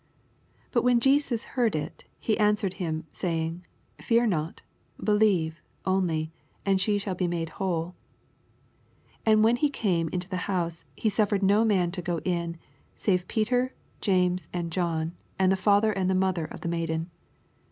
50 BHt when Jesus heard U^ he answered him, saying. Fear not : believe, only, and she snail be made whole. 51 And when he came i^io the b<^use, he Bu£fered no man to go in. save Peter, and James, and John, and the father and the mother of the maiden.